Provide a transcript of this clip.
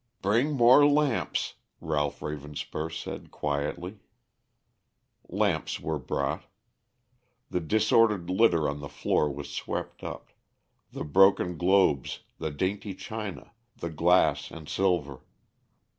"Bring more lamps," Ralph Ravenspur said quietly. Lamps were brought. The disordered litter on the floor was swept up, the broken globes, the dainty china, the glass and silver.